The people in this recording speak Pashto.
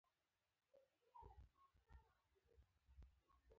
له چا سره هم بل لاټينونه.